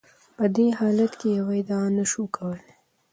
په دې حالت کې یوه ادعا نشو کولای.